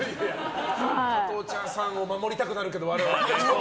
加藤茶さんを守りたくなるけど我々は。